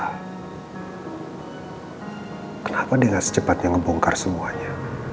hai kenapa dengan secepatnya ngebongkar semuanya